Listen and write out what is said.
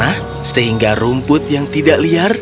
ada hal yang membuat ruang ini lebih besar